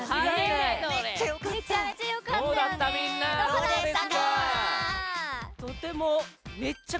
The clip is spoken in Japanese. どうだった？